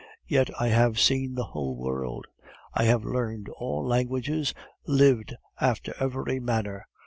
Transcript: Yet, I have seen the whole world. I have learned all languages, lived after every manner.